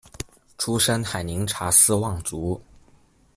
出身海宁查氏望族。